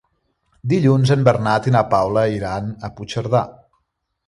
Dilluns en Bernat i na Paula iran a Puigcerdà.